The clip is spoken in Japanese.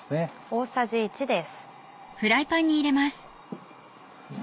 大さじ１です。